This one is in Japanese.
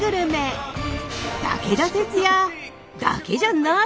武田鉄矢だけじゃない！